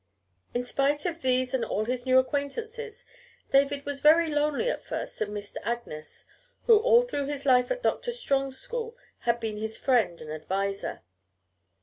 In spite of these and all his new acquaintances, David was very lonely at first and missed Agnes, who all through his life at Doctor Strong's school had been his friend and adviser.